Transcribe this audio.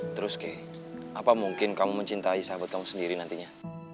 terus apa mungkin kamu mencintai sahabat kamu sendiri nantinya